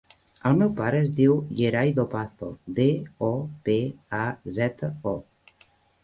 El meu pare es diu Yeray Dopazo: de, o, pe, a, zeta, o.